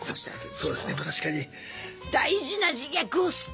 そうですねまあ確かに。